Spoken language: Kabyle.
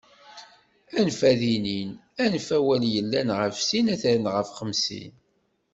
Anef ad inin, anef awal yellan ɣef sin ad tarren ɣef xemsin.